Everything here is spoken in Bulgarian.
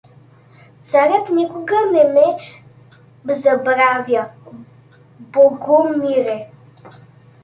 — Царят никога не ме забравя, Богомире.